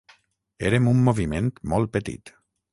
Érem un moviment molt petit.